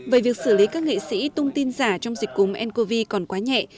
về việc xử lý các nghệ sĩ tung tin giả trong dịch cúm ncov còn quá nhẹ